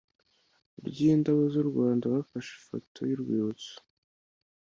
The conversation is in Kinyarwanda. ryindabo z'u Rwanda bafashe ifoto y'urwibutso